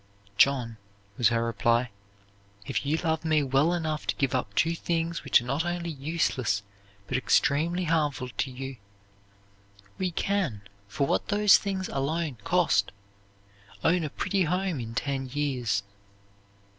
'John,' was her reply, 'If you love me well enough to give up two things which are not only useless, but extremely harmful to you, we can, for what those things alone cost, own a pretty home in ten years.'